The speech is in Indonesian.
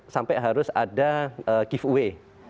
sampai harus ada giveaway